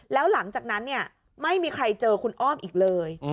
แล้วหลังจากนั้นเนี่ยไม่มีใครเจอคุณอ้อมอีกเลย